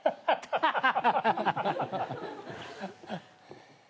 ハハハ！